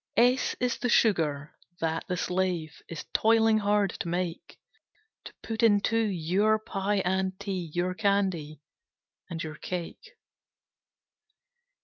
S S is the Sugar, that the slave Is toiling hard to make, To put into your pie and tea, Your candy, and your cake.